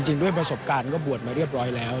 จริงด้วยประสบการณ์ก็บวชมาเรียบร้อยแล้ว